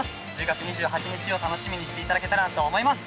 １０月２８日を楽しみにしていただけたらなと思います。